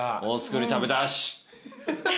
お造り食べたし！